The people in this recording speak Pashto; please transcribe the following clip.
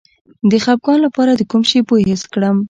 د خپګان لپاره د کوم شي بوی حس کړم؟